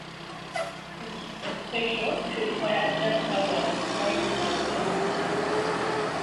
A special tripwire adapter was provided by the German army.